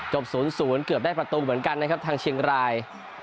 จบศูนย์ศูนย์เกือบได้ประตูเหมือนกันนะครับทางเชียงราย